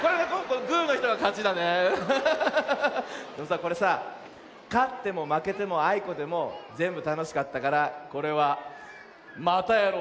これさかってもまけてもあいこでもぜんぶたのしかったからこれは「またやろう！」